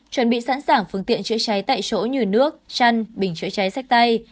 chuẩn bị sẵn sàng phương tiện chữa cháy tại chỗ như nước chăn bình chữa cháy sách tay